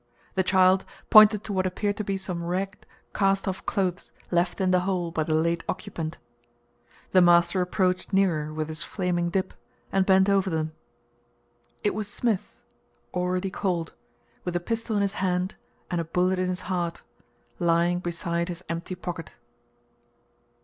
The child pointed to what appeared to be some ragged, castoff clothes left in the hole by the late occupant. The master approached nearer with his flaming dip, and bent over them. It was Smith, already cold, with a pistol in his hand and a bullet in his heart, lying beside his empty pocket.